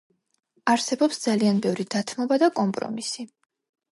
არსებობს ძალიან ბევრი დათმობა და კომპრომისი.